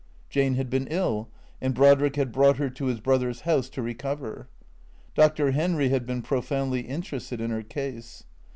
Jane had been ill, and Brodrick had brought her to his brother's house to recover. Dr. Henry had been profoundly interested in her case.